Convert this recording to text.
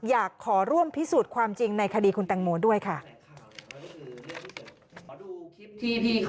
อยากขอร่วมพิสูจน์ความจริงในคดีคุณแตงโมด้วยค่ะ